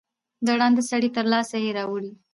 د ړانده سړي تر لاسه یې راوړی